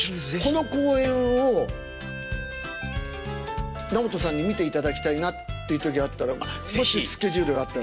この公演を直人さんに見ていただきたいなっていう時あったらもしスケジュールが合ったら。